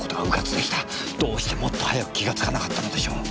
どうしてもっと早く気がつかなかったのでしょう。